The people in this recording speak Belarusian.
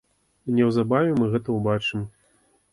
Неўзабаве мы гэта убачым.